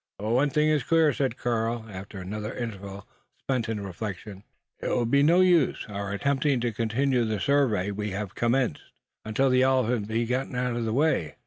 "One thing is clear," said Karl, after another interval spent in reflection: "it will be no list our attempting to continue the survey we have commenced, until the elephant be got out of the way.